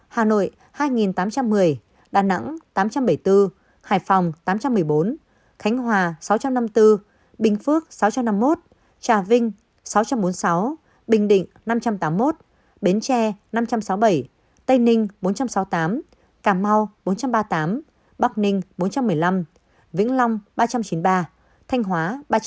hà nội hai tám trăm một mươi đà nẵng tám trăm bảy mươi bốn hải phòng tám trăm một mươi bốn khánh hòa sáu trăm năm mươi bốn bình phước sáu trăm năm mươi một trà vinh sáu trăm bốn mươi sáu bình định năm trăm tám mươi một bến tre năm trăm sáu mươi bảy tây ninh bốn trăm sáu mươi tám cà mau bốn trăm ba mươi tám bắc ninh bốn trăm một mươi năm vĩnh long ba trăm chín mươi ba thanh hóa ba trăm bảy mươi hai